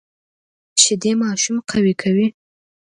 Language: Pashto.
شیدې ماشوم قوي کوي